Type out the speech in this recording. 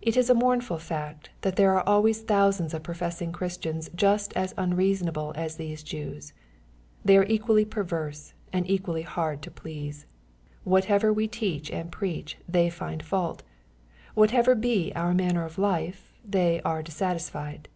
It is a mournful fact, that there are always thousands of professing Christians just as unreasonable as these Jews. They are equally perverse, and equally hard to please. Whatever we teach and preach, they find fault. Whatever be our manner of life, they are dissatisfied.